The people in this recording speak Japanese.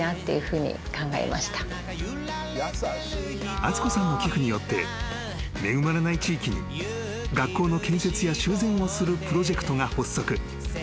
［敦子さんの寄付によって恵まれない地域に学校の建設や修繕をするプロジェクトが発足］